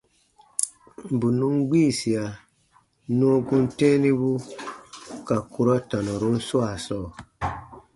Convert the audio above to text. Bù nùn gbiisia nɔɔ gum tɛ̃ɛnibu ka kurɔ tanɔrun swaa sɔɔ.